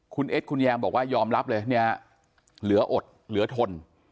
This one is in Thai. คุณเอ็ดคุณแยมบอกว่ายอมรับเลยเนี่ยเหลืออดเหลือทน